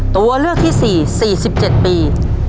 ตัวเลือกที่๔๔๗ปี